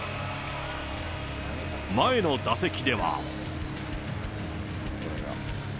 前の打席では。